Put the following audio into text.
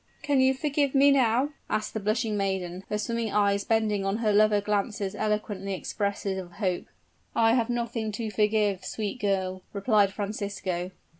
"Can you forgive me now?" asked the blushing maiden, her swimming eyes bending on her lover glances eloquently expressive of hope. "I have nothing to forgive, sweet girl," replied Francisco.